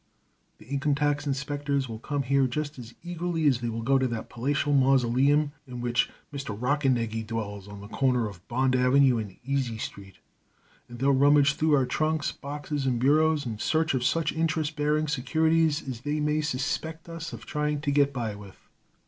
The income tax inspectors will come here just as eagerly as they will go to that palatial mausoleum in which Mr. Rockernegie dwells on the corner of Bond Avenue and Easy Street, and they'll rummage through our trunks, boxes, and bureaus in search of such interest bearing securities as they may suspect us of trying to get by with.